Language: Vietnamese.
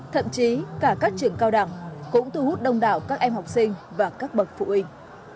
thậm chí cả các trường cao đẳng cũng thu hút đông đảo các em học sinh và các bậc phụ huynh